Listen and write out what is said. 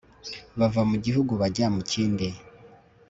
bava mu gihugu bajya mu kindi